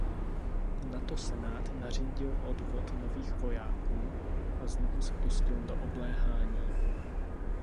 Nato senát nařídil odvod nových vojáků a znovu se pustil do obléhání.